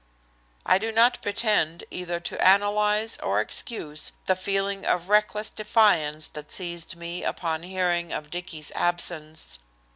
I do not pretend either to analyze or excuse the feeling of reckless defiance that seized me upon hearing of Dicky's absence.